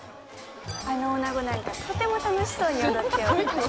あのおなごなんかとても楽しそうに踊っておる。